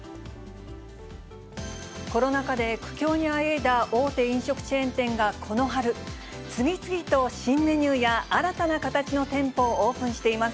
コロナ禍で苦境にあえいだ大手飲食チェーン店がこの春、次々と新メニューや、新たな形の店舗をオープンしています。